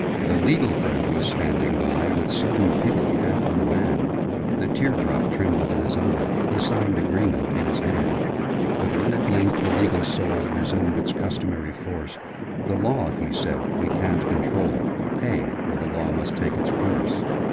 The legal friend was standing by, With sudden pity half unmanned: The tear drop trembled in his eye, The signed agreement in his hand: But when at length the legal soul Resumed its customary force, 'The Law,' he said, 'we ca'n't control: Pay, or the Law must take its course!'